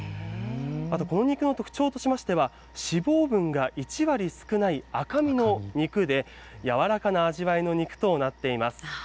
あとこの肉の特徴としましては、脂肪分が１割少ない赤身の肉で、軟らかな味わいの肉となっています。